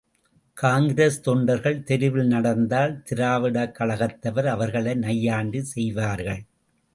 காங்கிரஸ் தொண்டர்கள் தெருவில் நடந்தால் திராவிடக் கழகத்தவர் அவர்களை நையாண்டி செய்வார்கள்.